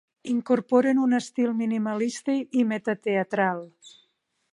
Incorporen un estil minimalista i metateatral.